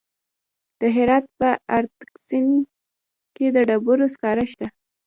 د هرات په ادرسکن کې د ډبرو سکاره شته.